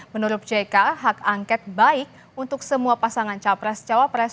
menurut jk hak angket baik untuk semua pasangan cawapres cawapres dua ribu dua puluh empat